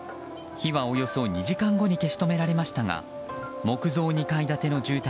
火はおよそ２時間後に消し止められましたが木造２階建ての住宅